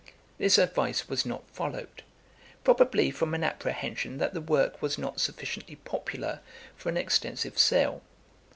This advice was not followed; probably from an apprehension that the work was not sufficiently popular for an extensive sale.